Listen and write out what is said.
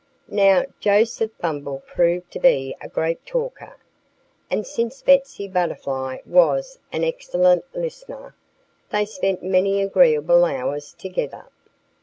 Now, Joseph Bumble proved to be a great talker. And since Betsy Butterfly was an excellent listener, they spent many agreeable hours together.